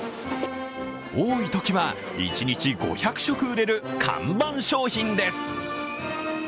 多いときは一日５００食売れる看板商品です。